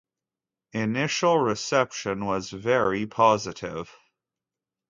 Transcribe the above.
Initial reception was very positive.